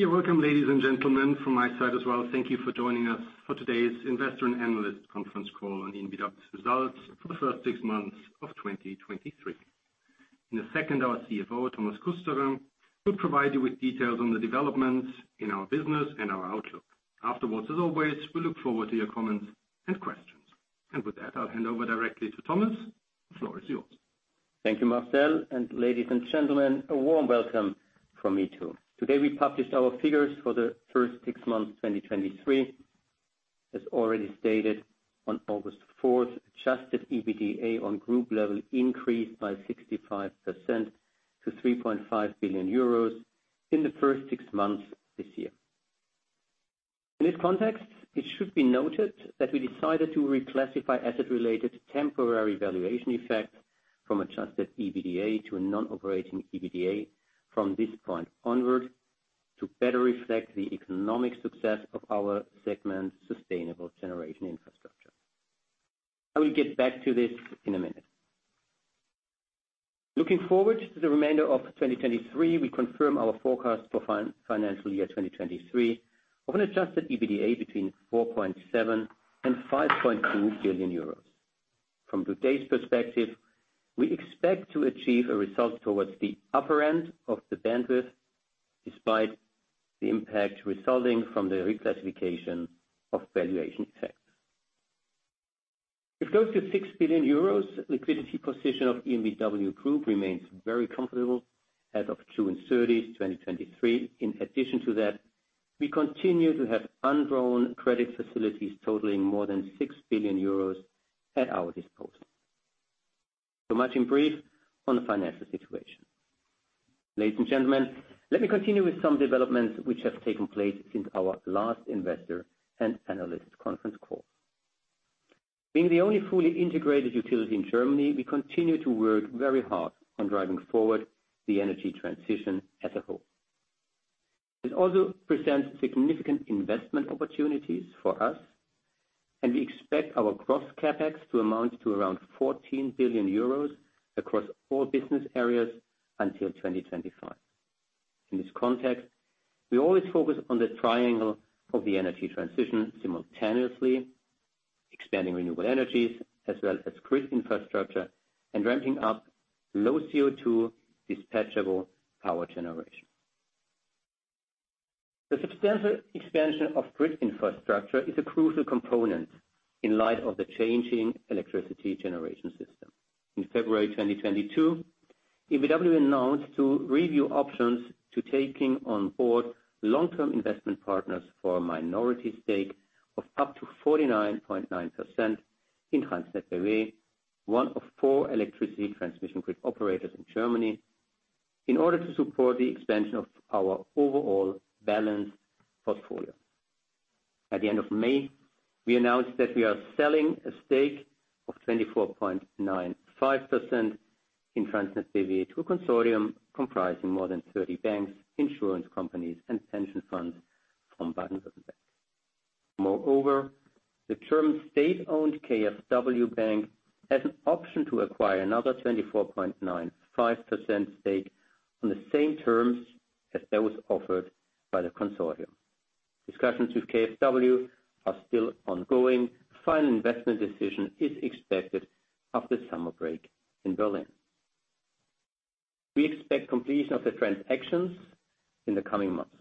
Yeah, welcome, ladies and gentlemen, from my side as well. Thank you for joining us for today's Investor and Analyst Conference Call on EnBW's results for the first six months of 2023. In a second, our CFO, Thomas Kusterer, will provide you with details on the developments in our business and our outlook. Afterwards, as always, we look forward to your comments and questions. With that, I'll hand over directly to Thomas. The floor is yours. Thank you, Marcel, and ladies and gentlemen, a warm welcome from me, too. Today, we published our figures for the first six months, 2023. As already stated on August 4th, adjusted EBITDA on group level increased by 65% to 3.5 billion euros in the first six months this year. In this context, it should be noted that we decided to reclassify asset-related temporary valuation effects from adjusted EBITDA to a non-operating EBITDA from this point onward to better reflect the economic success of our segment's Sustainable Generation Infrastructure. I will get back to this in a minute. Looking forward to the remainder of 2023, we confirm our forecast for financial year 2023 of an adjusted EBITDA between 4.7 billion-5.2 billion euros. From today's perspective, we expect to achieve a result towards the upper end of the bandwidth, despite the impact resulting from the reclassification of valuation effects. With close to 6 billion euros, liquidity position of EnBW Group remains very comfortable as of June 30, 2023. In addition to that, we continue to have undrawn credit facilities totaling more than 6 billion euros at our disposal. Much in brief on the financial situation. Ladies and gentlemen, let me continue with some developments which have taken place since our last investor and analyst conference call. Being the only fully integrated utility in Germany, we continue to work very hard on driving forward the energy transition as a whole. This also presents significant investment opportunities for us, and we expect our gross CapEx to amount to around 14 billion euros across all business areas until 2025. In this context, we always focus on the triangle of the energy transition, simultaneously expanding renewable energies as well as grid infrastructure and ramping up low CO₂ dispatchable power generation. The substantial expansion of grid infrastructure is a crucial component in light of the changing electricity generation system. In February 2022, EnBW announced to review options to taking on board long-term investment partners for a minority stake of up to 49.9% in TransnetBW, one of four electricity transmission grid operators in Germany, in order to support the expansion of our overall balanced portfolio. At the end of May, we announced that we are selling a stake of 24.95% in TransnetBW to a consortium comprising more than 30 banks, insurance companies, and pension funds from Baden-Württemberg. Moreover, the German state-owned KfW bank has an option to acquire another 24.95% stake on the same terms as that was offered by the consortium. Discussions with KfW are still ongoing. Final investment decision is expected after the summer break in Berlin. We expect completion of the transactions in the coming months.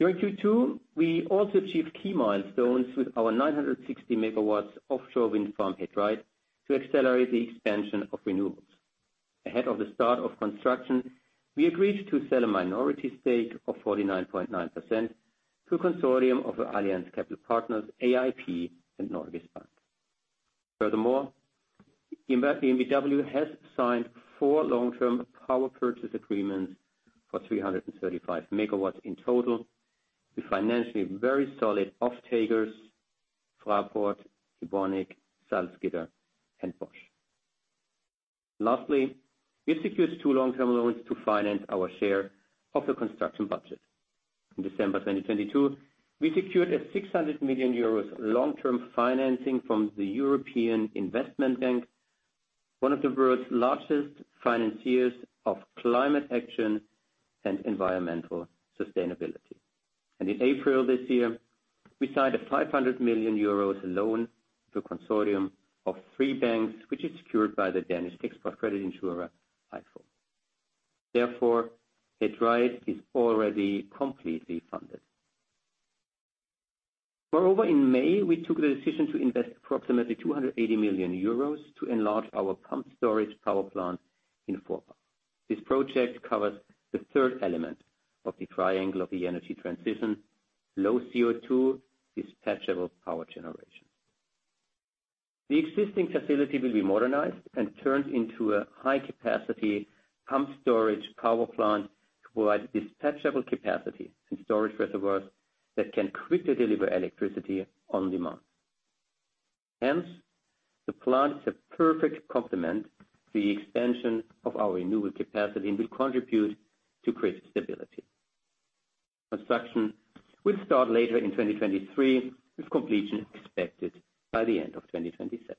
During Q2, we also achieved key milestones with our 960 megawatts offshore wind farm, He Dreiht, to accelerate the expansion of renewables. Ahead of the start of construction, we agreed to sell a minority stake of 49.9% to a consortium of Allianz Capital Partners, AIP, and Nordea Bank. Furthermore, EnBW has signed four long-term power purchase agreements for 335 megawatts in total, with financially very solid off-takers, Fraport, Evonik, Salzgitter, and Bosch. Lastly, we secured two long-term loans to finance our share of the construction budget. In December 2022, we secured a 600 million euros long-term financing from the European Investment Bank, one of the world's largest financiers of climate action and environmental sustainability. In April this year, we signed a 500 million euros loan to a consortium of three banks, which is secured by the Danish export credit insurer, EIFO. Therefore, He Dreiht is already completely funded. In May, we took the decision to invest approximately 280 million euros to enlarge our pumped storage power plant in Forbach. This project covers the third element of the triangle of the energy transition: low CO₂, dispatchable power generation. The existing facility will be modernized and turned into a high-capacity pumped storage power plant to provide dispatchable capacity and storage reservoirs that can quickly deliver electricity on demand. The plant is a perfect complement to the expansion of our renewable capacity and will contribute to grid stability. Construction will start later in 2023, with completion expected by the end of 2027.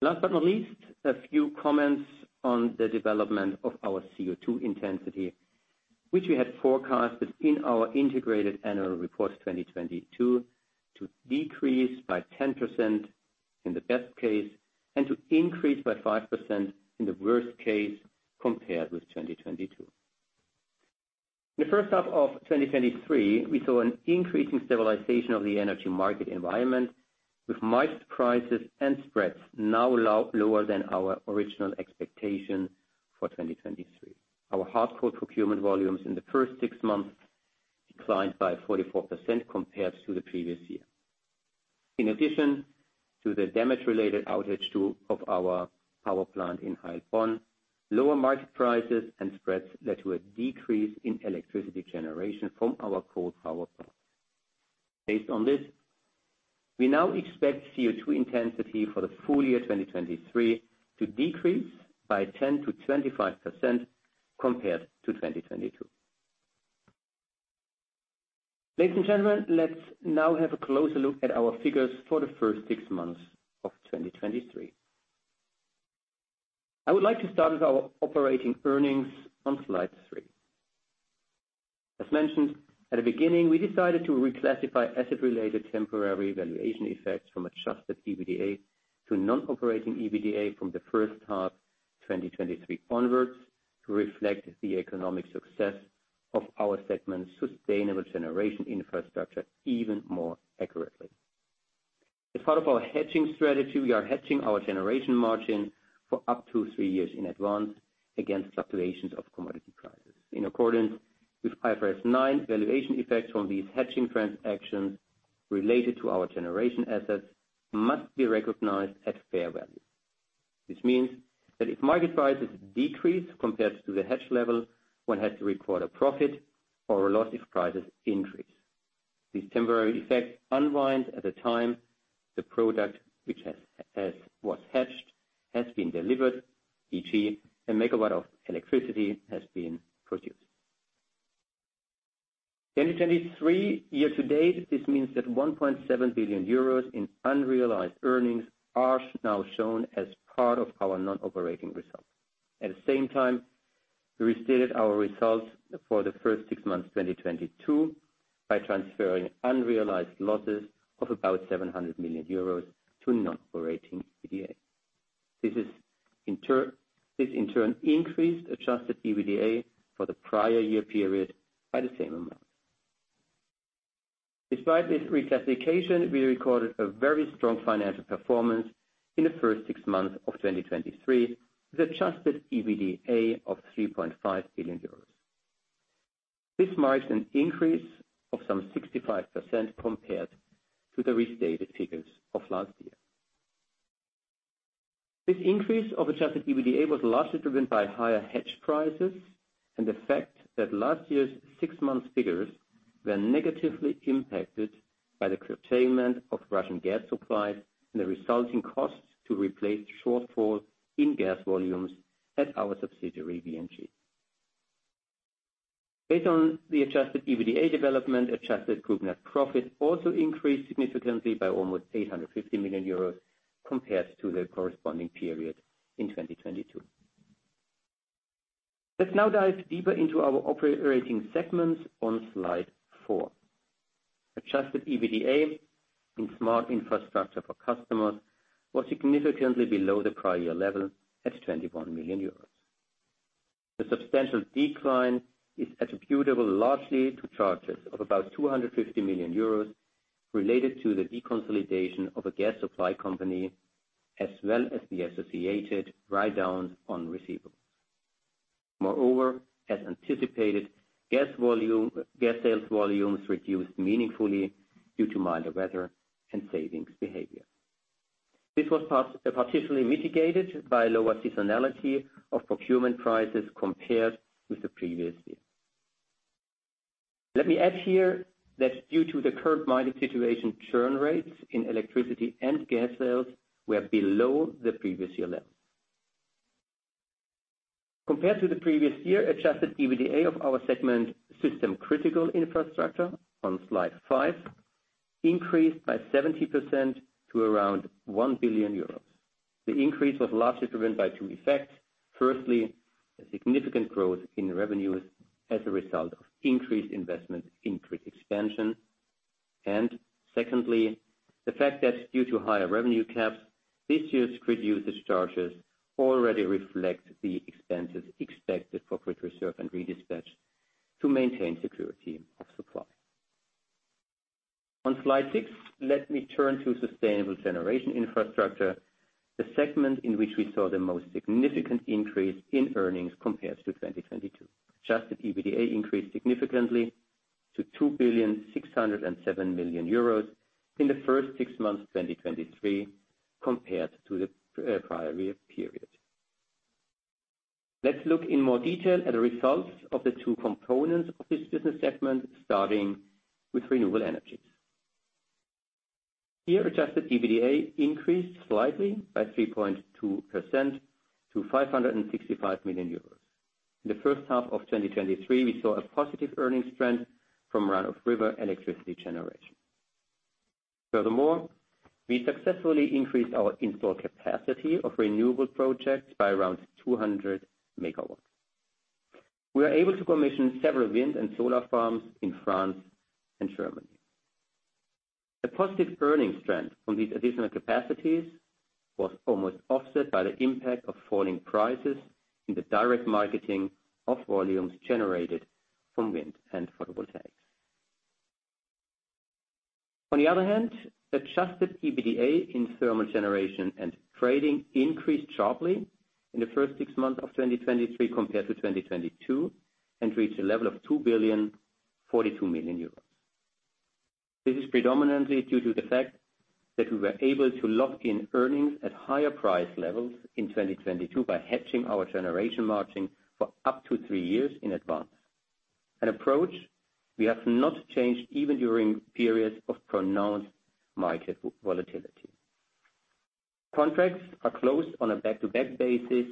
Last but not least, a few comments on the development of our CO₂ intensity, which we had forecasted in our integrated annual report 2022, to decrease by 10% in the best case, and to increase by 5% in the worst case, compared with 2022. In the first half of 2023, we saw an increasing stabilization of the energy market environment, with market prices and spreads now lower than our original expectation for 2023. Our hard coal procurement volumes in the first six months declined by 44% compared to the previous year. In addition to the damage-related outage of our power plant in Heilbronn, lower market prices and spreads led to a decrease in electricity generation from our coal power plant. Based on this, we now expect CO₂ intensity for the full year 2023 to decrease by 10-25% compared to 2022. Ladies and gentlemen, let's now have a closer look at our figures for the first six months of 2023. I would like to start with our operating earnings on slide three. As mentioned at the beginning, we decided to reclassify asset-related temporary valuation effects from adjusted EBITDA to non-operating EBITDA from the first half 2023 onwards, to reflect the economic success of our segment's Sustainable Generation Infrastructure even more accurately. As part of our hedging strategy, we are hedging our generation margin for up to 3 years in advance against fluctuations of commodity prices. In accordance with IFRS9, valuation effects from these hedging transactions related to our generation assets must be recognized at fair value. This means that if market prices decrease compared to the hedge level, one has to record a profit or a loss if prices increase. These temporary effects unwind at the time the product which was hedged, has been delivered, e.g., a megawatt of electricity has been produced. In 2023, year to date, this means that 1.7 billion euros in unrealized earnings are now shown as part of our non-operating results. At the same time, we restated our results for the first six months, 2022, by transferring unrealized losses of about 700 million euros to non-operating EBITDA. This in turn increased adjusted EBITDA for the prior year period by the same amount. Despite this reclassification, we recorded a very strong financial performance in the first 6 months of 2023, with adjusted EBITDA of 3.5 billion euros. This marks an increase of some 65% compared to the restated figures of last year. This increase of adjusted EBITDA was largely driven by higher hedge prices and the fact that last year's six-month figures were negatively impacted by the curtailment of Russian gas supply and the resulting costs to replace the shortfall in gas volumes at our subsidiary, VNG. Based on the adjusted EBITDA development, adjusted Group net profit also increased significantly by almost 850 million euros compared to the corresponding period in 2022. Let's now dive deeper into our operating segments on Slide four. adjusted EBITDA in Smart Infrastructure for Customers was significantly below the prior year level, at 21 million euros. The substantial decline is attributable largely to charges of about 250 million euros related to the deconsolidation of a gas supply company, as well as the associated write down on receivables. Moreover, as anticipated, gas volume, gas sales volumes reduced meaningfully due to milder weather and savings behavior. This was partially mitigated by lower seasonality of procurement prices compared with the previous year. Let me add here that due to the current market situation, churn rates in electricity and gas sales were below the previous year level. Compared to the previous year, adjusted EBITDA of our segment, System Critical Infrastructure, on Slide five, increased by 70% to around 1 billion euros. The increase was largely driven by two effects. Firstly, a significant growth in revenues as a result of increased investment in grid expansion. Secondly, the fact that due to higher revenue caps, this year's grid usage charges already reflect the expenses expected for grid reserve and redispatch to maintain security of supply. On Slide six, let me turn to Sustainable Generation Infrastructure, the segment in which we saw the most significant increase in earnings compared to 2022. Adjusted EBITDA increased significantly to 2.607 billion in the first six months of 2023, compared to the prior year period. Let's look in more detail at the results of the two components of this business segment, starting with renewable energies. Here, Adjusted EBITDA increased slightly by 3.2% to 565 million euros. In the first half of 2023, we saw a positive earnings trend from run-of-river electricity generation. We successfully increased our install capacity of renewable projects by around 200 megawatts. We are able to commission several wind and solar farms in France and Germany. The positive earnings trend from these additional capacities was almost offset by the impact of falling prices in the direct marketing of volumes generated from wind and photovoltaics. Adjusted EBITDA in Thermal Generation and Trading increased sharply in the first six months of 2023 compared to 2022, and reached a level of 2,042 million euros. This is predominantly due to the fact that we were able to lock in earnings at higher price levels in 2022 by hedging our generation margin for up to three years in advance, an approach we have not changed even during periods of pronounced market volatility. Contracts are closed on a back-to-back basis,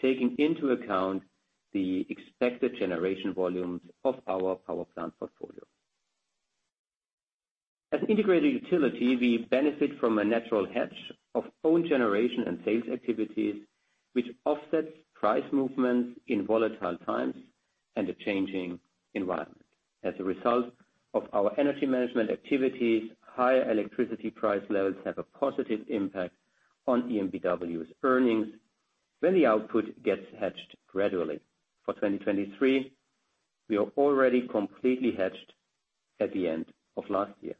taking into account the expected generation volumes of our power plant portfolio. As an integrated utility, we benefit from a natural hedge of own generation and sales activities, which offsets price movements in volatile times and a changing environment. As a result of our energy management activities, higher electricity price levels have a positive impact on EnBW's earnings when the output gets hedged gradually. For 2023, we are already completely hedged at the end of last year.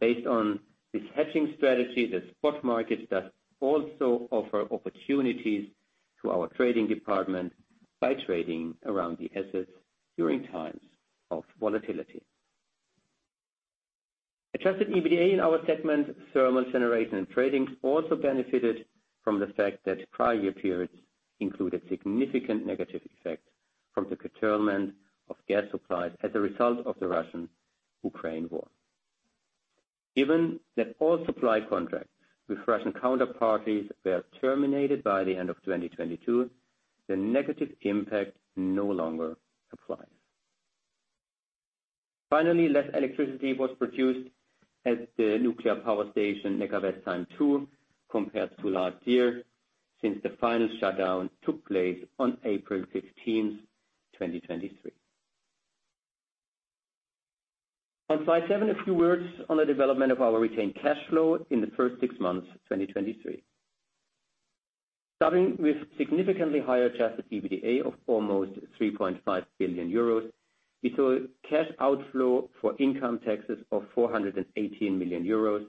Based on this hedging strategy, the spot market does also offer opportunities to our trading department by trading around the assets during times of volatility. Adjusted EBITDA in our segment, Thermal Generation and Trading, also benefited from the fact that prior year periods included significant negative effects from the curtailment of gas supplies as a result of the Russian-Ukrainian war. Given that all supply contracts with Russian counterparties were terminated by the end of 2022, the negative impact no longer applies. Finally, less electricity was produced at the nuclear power station, Neckarwestheim II, compared to last year, since the final shutdown took place on April 15th, 2023. On slide seven, a few words on the development of our retained cash flow in the first six months, 2023. Starting with significantly higher adjusted EBITDA of almost 3.5 billion euros, we saw cash outflow for income taxes of 418 million euros,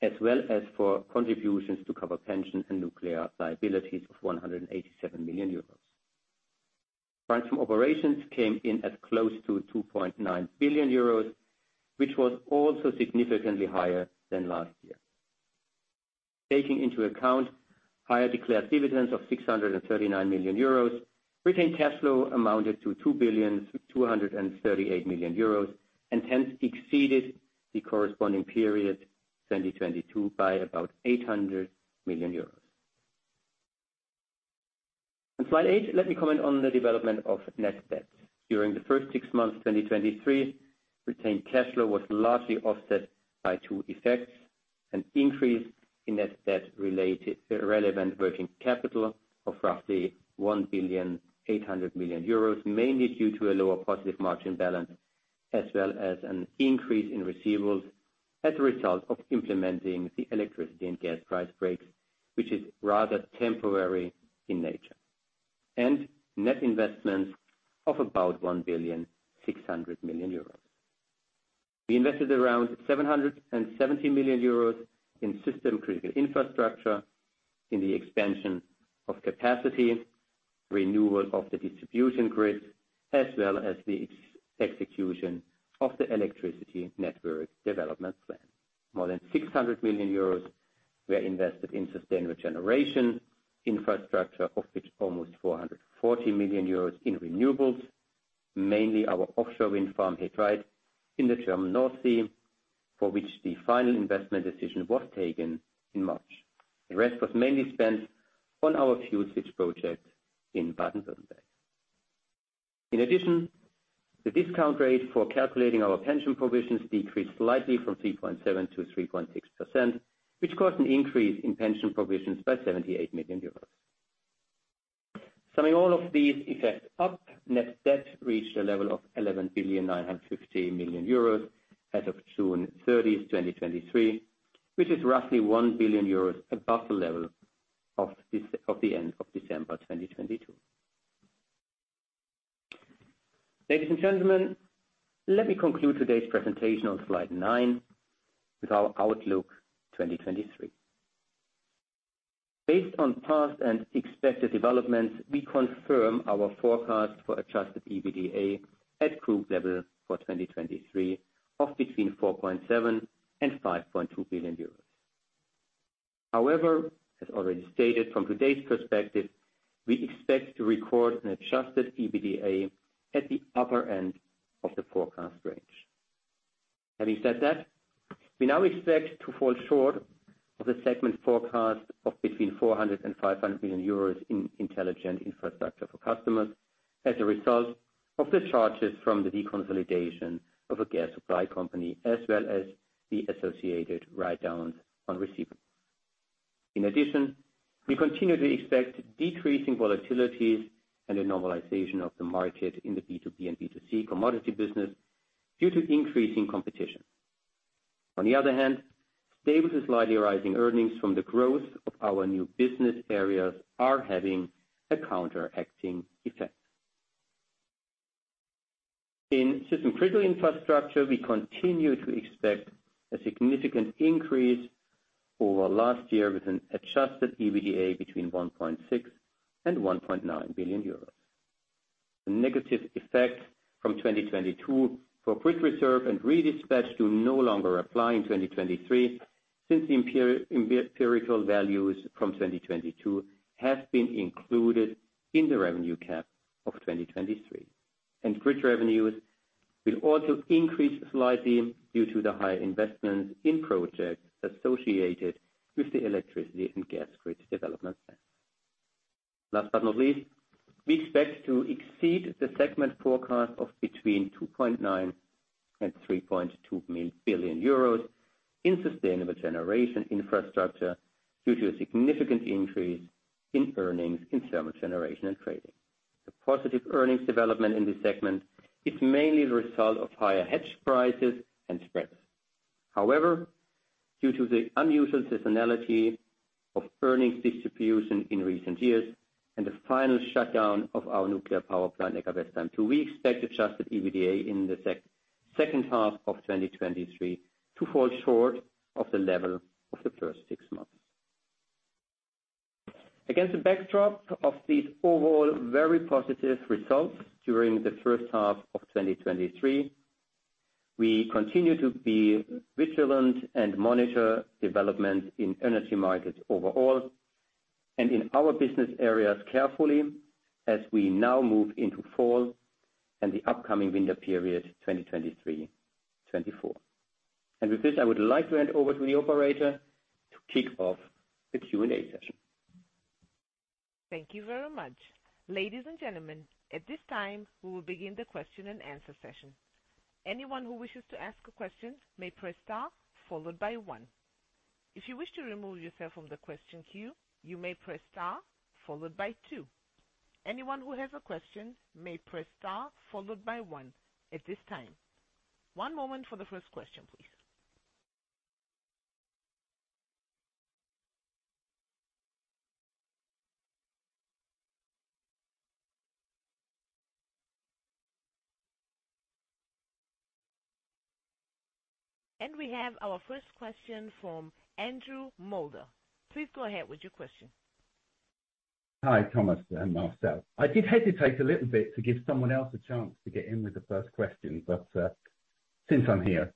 as well as for contributions to cover pension and nuclear liabilities of 187 million euros. Funds from operations came in at close to 2.9 billion euros, which was also significantly higher than last year. Taking into account higher declared dividends of 639 million euros, retained cash flow amounted to 2,238 million euros, and hence exceeded the corresponding period, 2022, by about EUR 800 million. On slide eight, let me comment on the development of net debt. During the first six months, 2023, retained cash flow was largely offset by two effects: an increase in net debt related, relevant working capital of roughly 1.8 billion, mainly due to a lower positive margin balance, as well as an increase in receivables as a result of implementing the electricity and gas price brakes, which is rather temporary in nature. Net investments of about 1.6 billion. We invested around 770 million euros in System Critical Infrastructure, in the expansion of capacity, renewal of the distribution grid, as well as the execution of the electricity network development plan. More than 600 million euros were invested in Sustainable Generation Infrastructure, of which almost 440 million euros in renewables, mainly our offshore wind farm, He Dreiht, in the German North Sea, for which the final investment decision was taken in March. The rest was mainly spent on our fuel switch project in Baden-Württemberg. In addition, the discount rate for calculating our pension provisions decreased slightly from 3.7% to 3.6%, which caused an increase in pension provisions by 78 million euros. Summing all of these effects up, net debt reached a level of 11.95 billion as of June 30th, 2023, which is roughly 1 billion euros above the level of the end of December, 2022. Ladies and gentlemen, let me conclude today's presentation on slide 9 with our outlook 2023. Based on past and expected developments, we confirm our forecast for adjusted EBITDA at group level for 2023, of between 4.7 billion-5.2 billion euros. However, as already stated, from today's perspective, we expect to record an adjusted EBITDA at the upper end of the forecast range. Having said that, we now expect to fall short of the segment forecast of between 400 million-500 million euros in Smart Infrastructure for Customers, as a result of the charges from the deconsolidation of a gas supply company, as well as the associated write-downs on receivables. In addition, we continue to expect decreasing volatilities and a normalization of the market in the B2B and B2C commodity business due to increasing competition. On the other hand, stable to slightly rising earnings from the growth of our new business areas are having a counteracting effect. In System Critical Infrastructure, we continue to expect a significant increase over last year with an adjusted EBITDA between 1.6 billion and 1.9 billion euros. The negative effect from 2022 for grid reserve and redispatch do no longer apply in 2023, since the empirical values from 2022 have been included in the revenue cap of 2023. Grid revenues will also increase slightly due to the high investments in projects associated with the electricity and gas grid development plan. Last but not least, we expect to exceed the segment forecast of between 2.9 billion and 3.2 billion euros in Sustainable Generation Infrastructure, due to a significant increase in earnings in Thermal Generation and Trading. The positive earnings development in this segment is mainly the result of higher hedge prices and spreads. However, due to the unusual seasonality of earnings distribution in recent years, and the final shutdown of our nuclear power plant, Neckarwestheim II, we expect adjusted EBITDA in the second half of 2023 to fall short of the level of the first six months. Against the backdrop of these overall very positive results during the first half of 2023, we continue to be vigilant and monitor developments in energy markets overall, and in our business areas carefully as we now move into fall and the upcoming winter period, 2023, 2024. With this, I would like to hand over to the operator to kick off the Q&A session. Thank you very much. Ladies and gentlemen, at this time, we will begin the question and answer session. Anyone who wishes to ask a question may press star followed by 1. If you wish to remove yourself from the question queue, you may press star followed by 2. Anyone who has a question may press star followed by 1 at this time. One moment for the first question, please. We have our first question from Andrew Mulder. Please go ahead with your question. Hi, Thomas and Marcel. I did hesitate a little bit to give someone else a chance to get in with the first question. Since I'm here.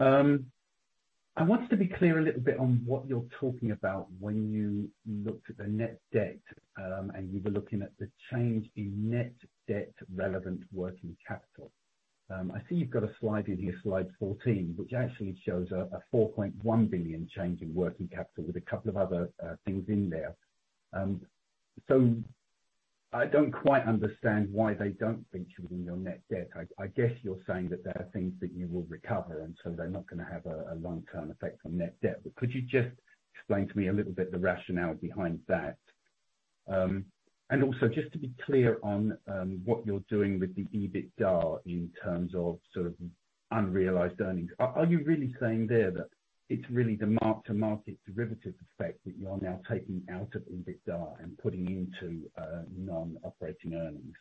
I wanted to be clear a little bit on what you're talking about when you looked at the net debt and you were looking at the change in net debt relevant working capital. I see you've got a slide in here, slide 14, which actually shows a 4.1 billion change in working capital with a couple of other things in there. I don't quite understand why they don't feature in your net debt. I guess you're saying that there are things that you will recover, and they're not gonna have a long-term effect on net debt. Could you just explain to me a little bit the rationale behind that? Also just to be clear on what you're doing with the EBITDA in terms of sort of unrealized earnings. Are you really saying there that it's really the mark to market derivative effect that you are now taking out of EBITDA and putting into non-operating earnings?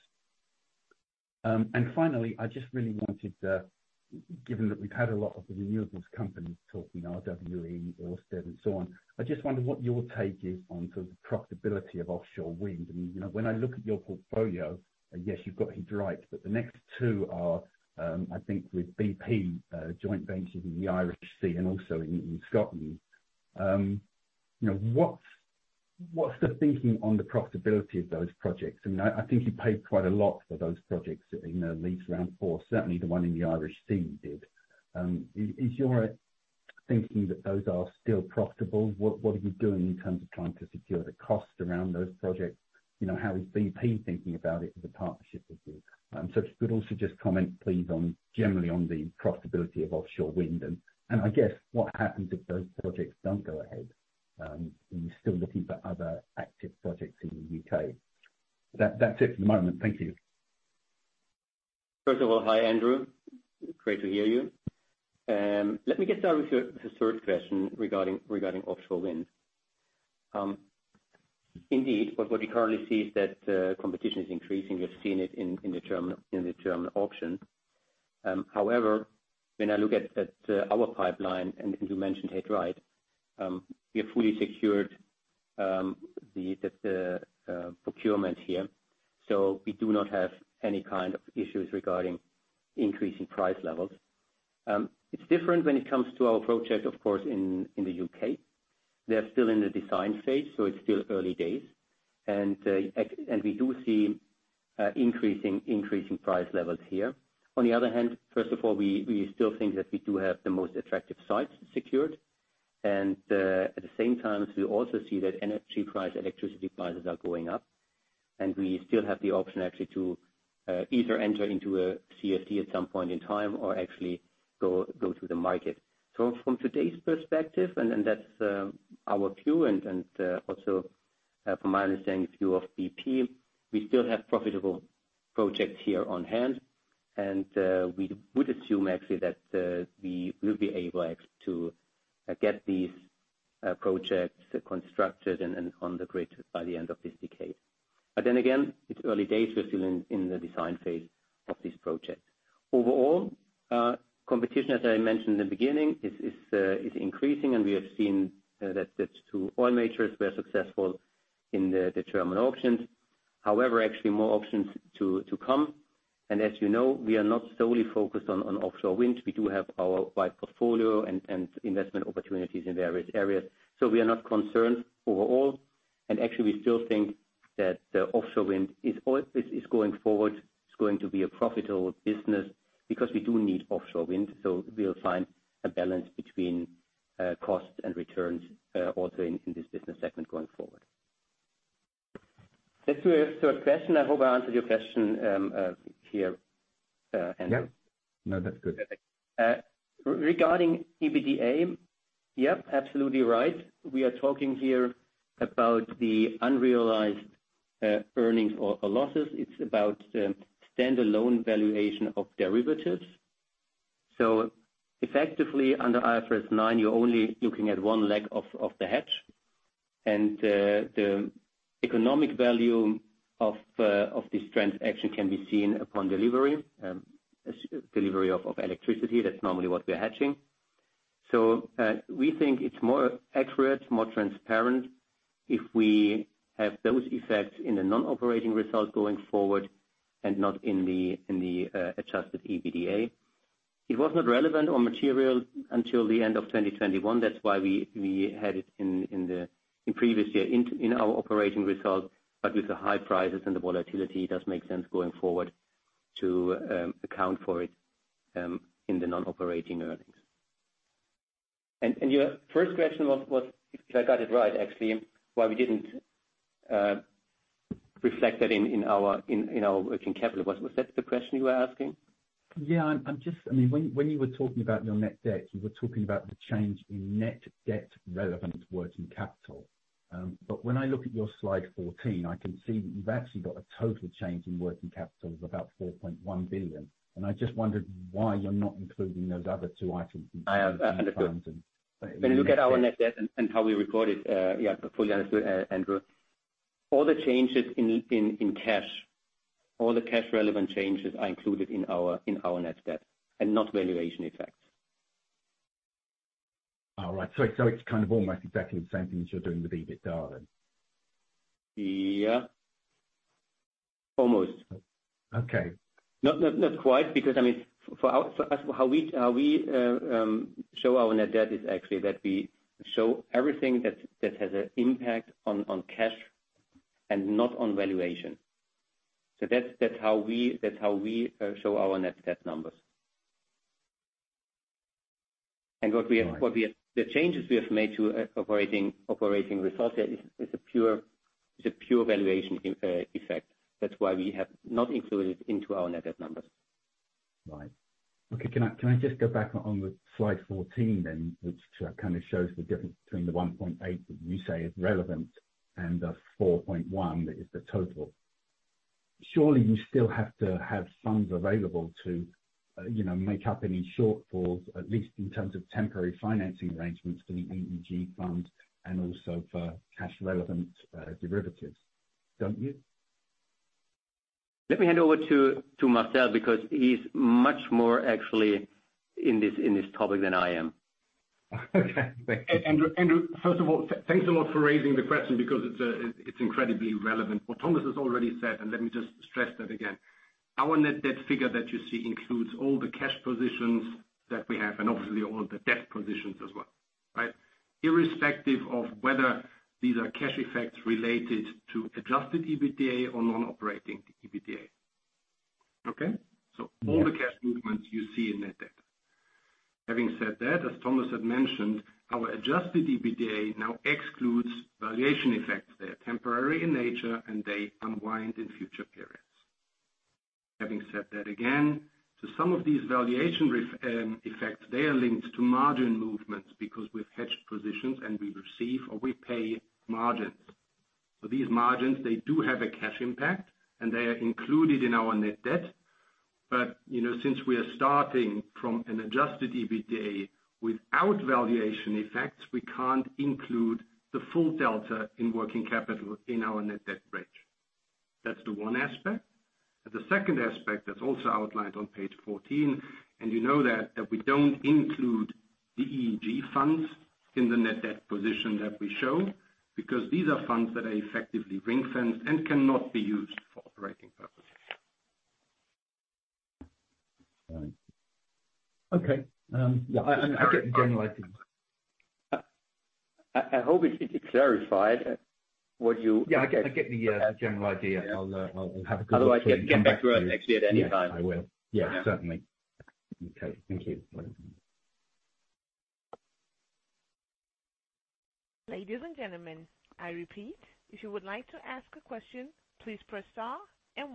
Finally, I just really wanted given that we've had a lot of the renewables companies talking, RWE, Ørsted and so on, I just wondered what your take is on sort of the profitability of offshore wind. You know, when I look at your portfolio, yes, you've got He Dreiht, but the next two are, I think with BP joint ventures in the Irish Sea and also, in Scotland. You know, what's the thinking on the profitability of those projects? I think you paid quite a lot for those projects in the Leasing Round four, certainly the one in the Irish Sea, you did. Is your thinking that those are still profitable? What are you doing in terms of trying to secure the cost around those projects? You know, how is BP thinking about it as a partnership with you? If you could also just comment, please, on generally on the profitability of offshore wind, and I guess what happens if those projects don't go ahead, and you're still looking for other active projects in the U.K. That's it for the moment. Thank you. First of all, hi, Andrew. Great to hear you. Let me get started with your, the third question regarding, regarding offshore wind. Indeed, what, what we currently see is that competition is increasing. We've seen it in the German auction. However, when I look at, at our pipeline, and you mentioned He Dreiht, we have fully secured the procurement here, so we do not have any kind of issues regarding increasing price levels. It's different when it comes to our project, of course, in, the U.K. They're still in the design phase, so it's still early days. we do see increasing price levels here. First of all, we, we still think that we do have the most attractive sites secured, and at the same time, we also see that energy price, electricity prices are going up. We still have the option actually to either enter into a CFD at some point in time or actually go to the market. From today's perspective, and that's our view, and also from my understanding, view of bp, we still have profitable projects here on hand. We would assume actually that we will be able actually to get these projects constructed and on the grid by the end of this decade. Then again, it's early days. We're still in the design phase of this project. Overall, competition, as I mentioned in the beginning, is, is, is increasing, and we have seen that it's two oil majors were successful in the German auctions. However, actually, more auctions to, to come, as you know, we are not solely focused on, on offshore wind. We do have our wide portfolio and, and investment opportunities in various areas. We are not concerned overall. Actually, we still think that the offshore wind is, is going forward, it's going to be a profitable business because we do need offshore wind. We'll find a balance between costs and returns also in, in this business segment going forward. Let's move to a question. I hope I answered your question here, Andrew. Yeah. No, that's good. Regarding EBITDA, yep, absolutely right. We are talking here about the unrealized earnings or losses. It's about standalone valuation of derivatives. Effectively, under IFRS 9, you're only looking at one leg of the hedge, and the economic value of this transaction can be seen upon delivery, of electricity. That's normally what we're hedging. We think it's more accurate, more transparent if we have those effects in the non-operating result going forward and not in the adjusted EBITDA. It was not relevant or material until the end of 2021, that's why we had it in the previous year, in our operating results. With the high prices and the volatility, it does make sense going forward to account for it in the non-operating earnings. Your first question was, if I got it right, actually, why we didn't reflect that in our working capital. Was that the question you were asking? Yeah, I mean, when you were talking about your net debt, you were talking about the change in net debt relevant to working capital. But when I look at your slide 14, I can see that you've actually got a total change in working capital of about 4.1 billion. I just wondered why you're not including those other two items... I understand. In your net debt. When you look at our net debt and how we report it, yeah, fully understood, Andrew. All the changes in cash, all the cash-relevant changes are included in our net debt, and not valuation effects. All right. It's kind of almost exactly the same thing as you're doing with EBITDA, then? Yeah. Almost. Okay. Not, not, not quite, because, I mean, for our, for us, how we, how we show our net debt is actually that we show everything that, that has an impact on, on cash and not on valuation. That's, that's how we, that's how we show our net debt numbers. What we have. Right. The changes we have made to operating results is a pure, it's a pure valuation effect. That's why we have not included it into our net debt numbers. Right. Okay, can I, can I just go back on the slide 14 then, which kind of shows the difference between the 1.8 that you say is relevant and the 4.1 that is the total? Surely, you still have to have funds available to, you know, make up any shortfalls, at least in terms of temporary financing arrangements for the EEG funds and also for cash-relevant derivatives, don't you? Let me hand over to Marcel, because he's much more actually in this topic than I am. Okay, thank you. Andrew, Andrew, first of all, thanks a lot for raising the question because it's incredibly relevant. What Thomas has already said, and let me just stress that again, our net debt figure that you see includes all the cash positions that we have, and obviously all the debt positions as well, right? Irrespective of whether these are cash effects related to adjusted EBITDA or non-operating EBITDA. Okay? Yeah. All the cash movements you see in net debt. Having said that, as Thomas had mentioned, our adjusted EBITDA now excludes valuation effects. They are temporary in nature, and they unwind in future periods. Having said that again, some of these valuation re- effects, they are linked to margin movements, because we've hedged positions and we receive or we pay margins. These margins, they do have a cash impact, and they are included in our net debt, but, you know, since we are starting from an adjusted EBITDA without valuation effects, we can't include the full delta in working capital in our net debt bridge. That's the one aspect. The second aspect that's also outlined on page 14, and you know that, that we don't include the EEG funds in the net debt position that we show, because these are funds that are effectively ring-fenced and cannot be used for operating purposes. Right. Okay, yeah, I get the general idea. I hope it, it clarified what you- Yeah, I get the general idea. Yeah. I'll have a good. Otherwise, you can get back to us, actually, at any time. Yes, I will. Yeah, certainly. Okay. Thank you. Bye. Ladies and gentlemen, I repeat, if you would like to ask a question, please press star and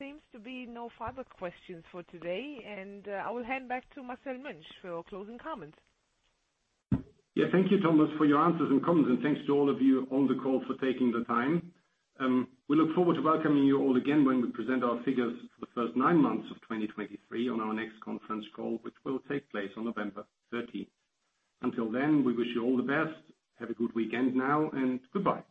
1. Seems to be no further questions for today. I will hand back to Marcel Münch for your closing comments. Yeah, thank you, Thomas, for your answers and comments, and thanks to all of you on the call for taking the time. We look forward to welcoming you all again when we present our figures for the first nine months of 2023 on our next conference call, which will take place on November 13th. Until then, we wish you all the best. Have a good weekend now, and goodbye.